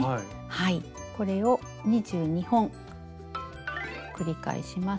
はいこれを２２本繰り返します。